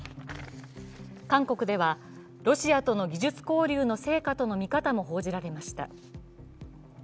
韓国では、ロシアとの技術交流の成果との見方も報じられました。